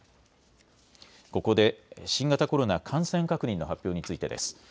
ここで新型コロナ感染確認の発表についてです。